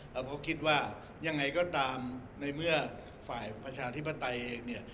เราก็คิดว่ายังไงก็ตามในเมื่อฝ่ายประชาธิปไตยเองเนี่ย